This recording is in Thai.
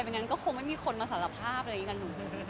งั้นก็คงไม่มีคนมาสารภาพอะไรอย่างนี้กันหนู